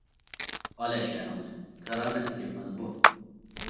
ئالە شەرىڭنى، كارامەت دېگەن مانا بۇ!